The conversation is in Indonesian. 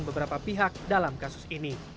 beberapa pihak dalam kasus ini